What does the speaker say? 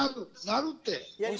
鳴るって。